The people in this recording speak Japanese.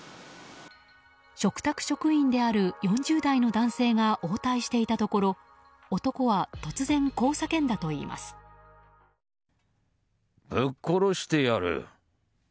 嘱託職員である４０代の男性が応対していたところぶっ殺してやる！